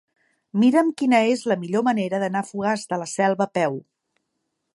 Mira'm quina és la millor manera d'anar a Fogars de la Selva a peu.